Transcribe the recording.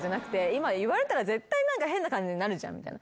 今言われたら絶対何か変な感じになるじゃんみたいな。